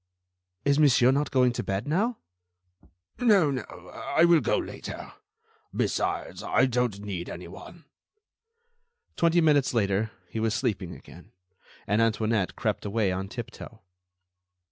"Is Monsieur not going to bed now?" "No, no, I will go later. Besides, I don't need anyone." Twenty minutes later, he was sleeping again, and Antoinette crept away on tiptoe.